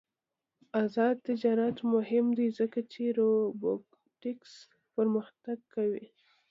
آزاد تجارت مهم دی ځکه چې روبوټکس پرمختګ کوي.